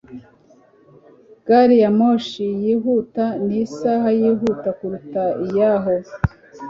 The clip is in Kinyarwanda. gari ya moshi yihuta ni isaha yihuta kuruta iyaho